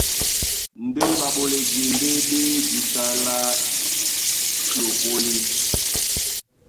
Ndé ɓaɓoledi ndé ɓá e jǐta lá lokólí.